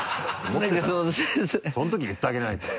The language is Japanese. その時言ってあげないと。